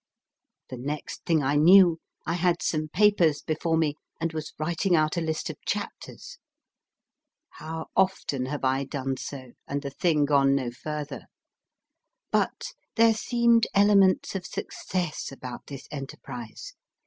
The next thing I knew I had some papers before me and was writing out a list of chapters. How often have I done so, and the thing gone no further ! But there seemed elements of success about this enterprise.